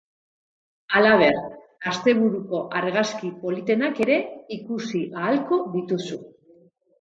Halaber, asteburuko argazki politenak ere ikusi ahalko dituzu.